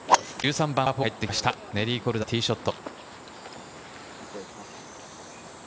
１３番、パー４に入ってきましたネリー・コルダのティーショット。